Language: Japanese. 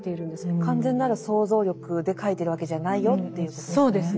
完全なる想像力で書いてるわけじゃないよということですよね。